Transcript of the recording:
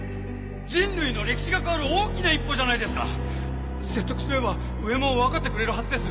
人類の歴史が変わる大きな一歩じゃないで説得すれば上も分かってくれるはずです